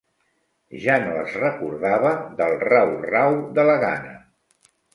Ja no es recordava del rau-rau de la gana.